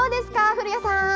古谷さん。